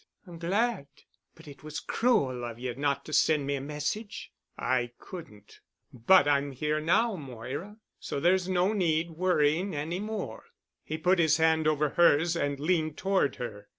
"I'm glad. But it was cruel of you not to send me a message." "I couldn't. But I'm here now, Moira. So there's no need worrying any more." He put his hand over hers and leaned toward her.